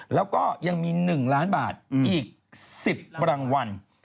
แล้วก็ยังมี๑ล้านบาทอีก๑๐รางวัล